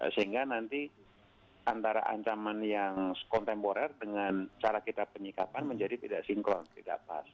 sehingga nanti antara ancaman yang kontemporer dengan cara kita penyikapan menjadi tidak sinkron tidak pas